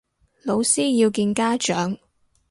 老師要見家長